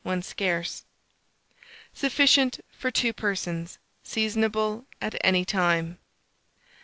when scarce. Sufficient for 2 persons. Seasonable at any time.